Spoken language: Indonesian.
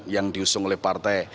yang diusung oleh partai